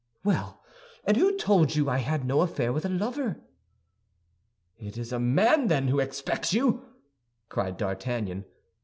"Well! And who told you I had no affair with a lover?" "It is a man, then, who expects you?" cried D'Artagnan.